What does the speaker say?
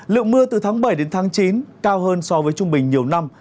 lượng mưa từ tháng bảy đến tháng chín cao hơn so với trung bình nhiều năm